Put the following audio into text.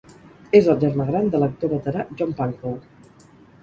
És el germà gran de l'actor veterà John Pankow.